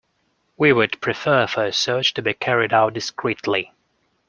We would prefer for your search to be carried out discreetly.